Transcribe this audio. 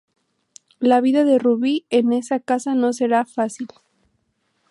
La vida de Rubí en esa casa no será fácil.